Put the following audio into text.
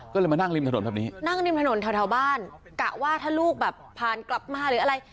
ก็เลยมานั่งริมถนนแบบนี้นั่งริมถนนแถวบ้านกะว่าถ้าลูกแบบผ่านกลับมาหรืออะไร